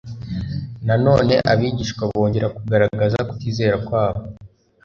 Na none abigishwa bongera kugaragaza kutizera kwabo.